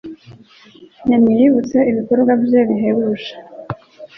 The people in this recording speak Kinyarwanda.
Nimwiyibutse ibikorwa bye bihebuje